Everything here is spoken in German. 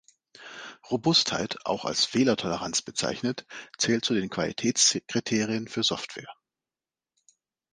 Robustheit, auch als „Fehlertoleranz“ bezeichnet, zählt zu den Qualitätskriterien für Software.